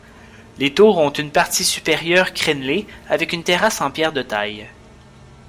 Les tours ont une partie supérieure crénelée, avec une terrasse en pierre de taille.